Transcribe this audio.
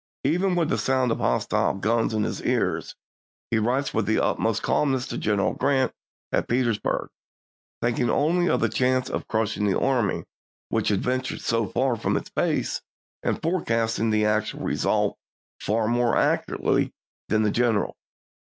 Even ism. ms. with the sound of hostile guns in his ears, he writes with the utmost calmness to General Grant at Petersburg, thinking only of the chance of crush ing the army which has ventured so far from its base and forecasting the actual result far more accurately than the general.